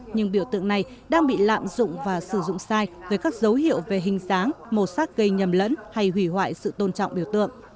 nhưng biểu tượng này đang bị lạm dụng và sử dụng sai với các dấu hiệu về hình dáng màu sắc gây nhầm lẫn hay hủy hoại sự tôn trọng biểu tượng